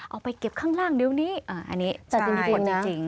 เอาไปเก็บข้างล่างเดี๋ยวนี้อันนี้จะมีคนจริง